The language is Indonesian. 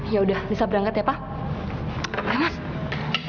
ya udah bisa berangkat ya pak